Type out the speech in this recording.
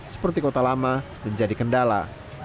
seperti kota lama menjadi kendala